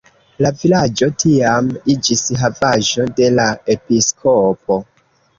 La vilaĝo tiam iĝis havaĵo de la episkopo.